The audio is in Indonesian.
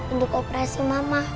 untuk operasi mama